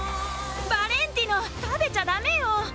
ヴァレンティノ食べちゃだめよ！